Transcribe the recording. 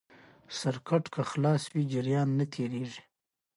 سرکټ که خلاص وي جریان نه تېرېږي.